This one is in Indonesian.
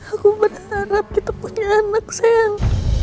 aku berharap kita punya anak sayang